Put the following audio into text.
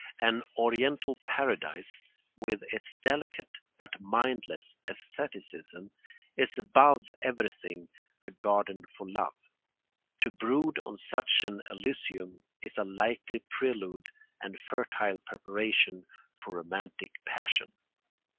An Oriental Paradise, with its delicate but mindless æstheticism, is above everything a garden for love. To brood on such an Elysium is a likely prelude and fertile preparation for romantic passion.